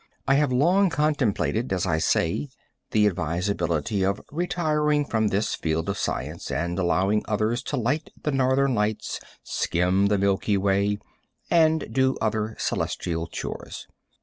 I have long contemplated, as I say, the advisability of retiring from this field of science and allowing others to light the northern lights, skim the milky way and do other celestial chores.